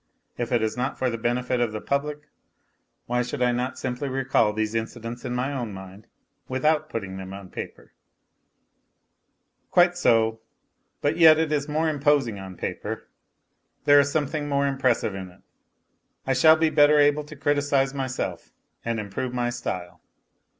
If it is not for the benefit of the public why should I not simply recall these incidents in my own mind without putting them on paper ? Quite so; but yet it is more imposing on paper. There is something more impressive in it ; I shall be better able to criticize myself and improve my style.